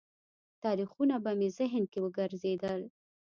تاریخونه به مې ذهن کې وګرځېدل.